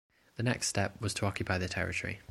The next step was to occupy the territory.